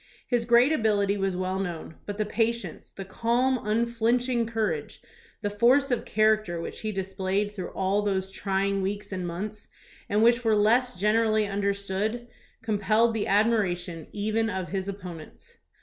His great ability was well known, but the patience, the calm, unflinch ing courage, the force of character which he displayed through all those trying weeks and months, and which were less generally understood, compelled the admira tion even of his opponents.